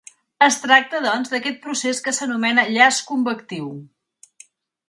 Es tracta, doncs, d'aquest procés que s'anomena llaç convectiu.